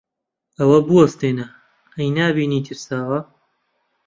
ئەوە بوەستێنە! ئەی نابینی ترساوە؟